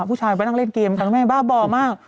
ก็แบบแม่บ้าบอมาก